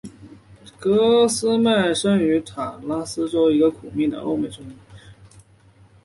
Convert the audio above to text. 戈麦斯生于塔奇拉州一个贫苦的印欧混血种人农民家庭。